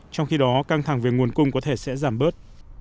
trong khi đó căng thẳng về nguồn cung có thể sẽ giảm bớt